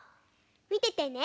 みててね。